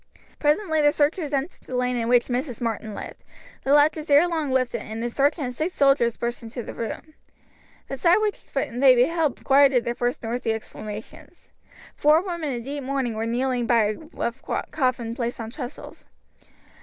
Presently the searchers entered the lane in which Mrs. Martin lived. The latch was ere long lifted, and a sergeant and six soldiers burst into the room. The sight which they beheld quieted their first noisy exclamations. Four women in deep mourning were kneeling by a rough coffin placed on trestles.